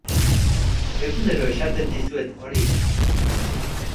Egunero esaten dizuet hori.